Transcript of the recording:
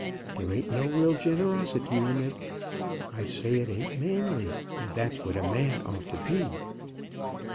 There ain't no real generosity in it. I say it ain't manly, and that's what a man ought to be."